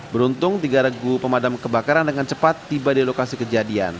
beruntung tiga regu pemadam kebakaran dengan cepat tiba di lokasi kejadian